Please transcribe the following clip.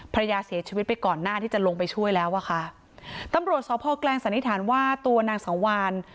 ภรรยาเสียชีวิตไปก่อนหน้าที่จะลงไปช่วยแล้วอะค่ะตำรวจสพแกลงสันนิษฐานว่าตัวนางสังวาน